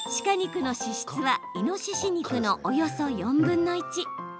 鹿肉の脂質はイノシシ肉のおよそ４分の１。